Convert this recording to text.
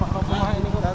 pak pak pak ini kok kaya